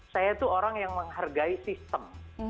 saya itu orang yang menghargai sistem